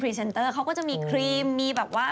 เซนเตอร์เขาก็จะมีครีมมีแบบว่า